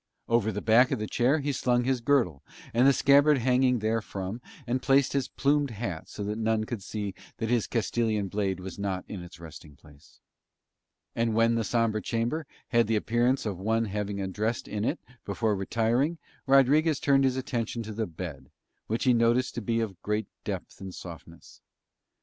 Over the back of the chair he slung his girdle and the scabbard hanging therefrom and placed his plumed hat so that none could see that his Castilian blade was not in its resting place. And when the sombre chamber had the appearance of one having undressed in it before retiring Rodriguez turned his attention to the bed, which he noticed to be of great depth and softness.